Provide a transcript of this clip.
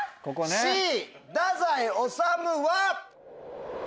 Ｃ太宰治は。